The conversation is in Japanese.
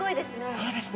そうですね。